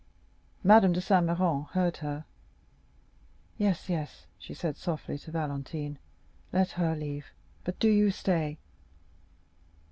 Madame de Saint Méran heard her. "Yes, yes," she said softly to Valentine, "let her leave; but do you stay."